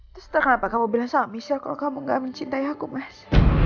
terus kenapa kamu bilang sama michelle kalau kamu gak mencintai aku mas